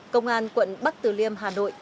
công an quận bắc từ liêm hà nội